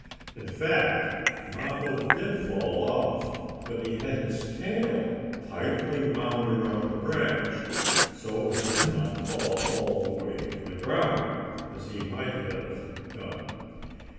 In fact, Mappo did fall off, but he had his tail tightly wound around the branch, so he did not fall all the way to the ground, as he might have done.